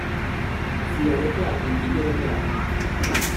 Florece al principio del verano.